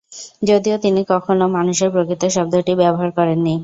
যদিও তিনি কখন মানুষের প্রকৃতি শব্দটি ব্যবহার করেননি।